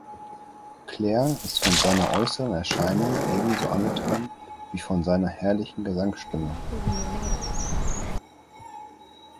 Claire ist von seiner äußeren Erscheinung ebenso angetan wie von seiner herrlichen Gesangsstimme.